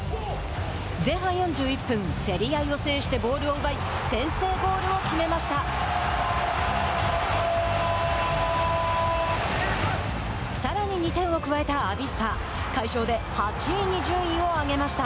前半４１分競り合いを制してボールを奪い先制ゴールを決めました。